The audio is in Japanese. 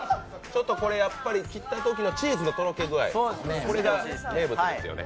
切ったときのチーズのとろけ具合、これが名物ですよね。